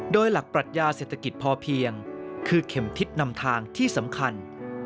โดยหลักปรัชญาเศรษฐกิจพอเพียงคือเข็มทิศนำทางที่สำคัญ